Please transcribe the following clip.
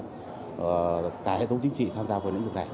cả hệ thống chính trị tham gia vào vấn đề này